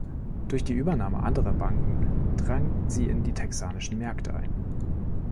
Durch die Übernahme anderer Banken drang sie in die texanischen Märkte ein.